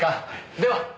では。